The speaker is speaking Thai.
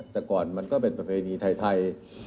แต่ก่อนมันก็เป็นประเพณีไทย